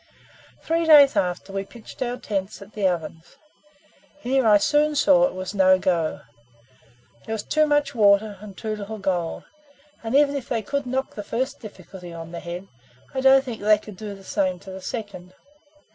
Three days after, we pitched out tents at the Ovens. Here I soon saw it was no go. There was too much water, and too little gold; and even if they could knock the first difficulty on the head, I don't think they could do the same to the second.